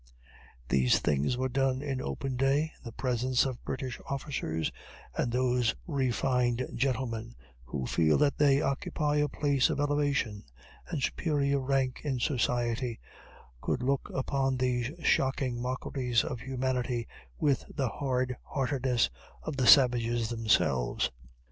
These things were done in open day, in the presence of the British officers; and those refined gentlemen, who feel that they occupy a place of elevation and superior rank in society, could look upon these shocking mockeries of humanity with the hard heartedness of the savages themselves.